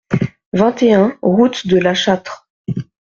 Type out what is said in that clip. vingt et un route de La Châtre